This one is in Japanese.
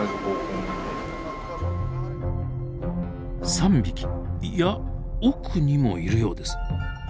３匹いや奥にもいるようです。